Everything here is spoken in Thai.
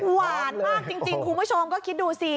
หวานมากจริงคุณผู้ชมก็คิดดูสิ